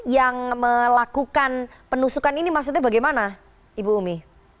yang melakukan penusukan ini maksudnya bagaimana ibu umi